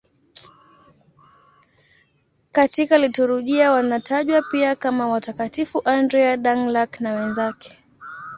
Katika liturujia wanatajwa pia kama Watakatifu Andrea Dũng-Lạc na wenzake.